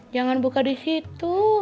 jangan buka di situ